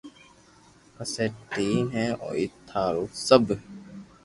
پسو ٺين ھي ھوئي ٿارو سب